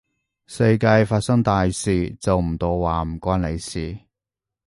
世界發生大事，就唔到話唔關你事